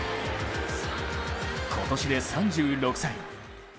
今年で３６歳。